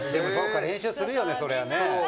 練習するよね、そりゃあね。